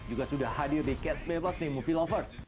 juga sudah hadir di catch play plus di movie lovers